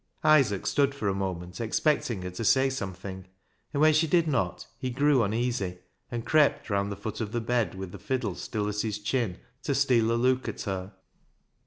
Isaac stood for a moment expecting her to say something, and when she did not, he grew uneasy, and crept round the foot of the bed, with the fiddle still at his chin, to steal a look at her.